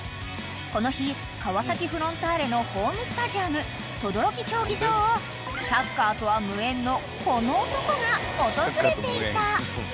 ［この日川崎フロンターレのホームスタジアム等々力競技場をサッカーとは無縁のこの男が訪れていた］